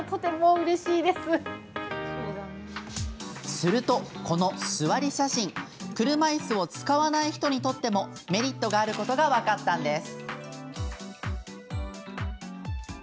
すると、この座り写真車いすを使わない人にとってもメリットがあることが分かったんです。